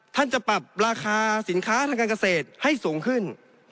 จะปรับราคาสินค้าทางการเกษตรให้สูงขึ้น